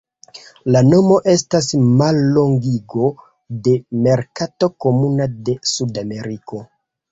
La nomo estas mallongigo de "Merkato Komuna de Sudameriko".